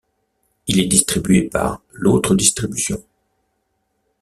Il est distribué par l'Autre Distribution.